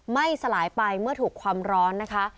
ไม่สลายไปเมื่อถูกความร้อนนะคะ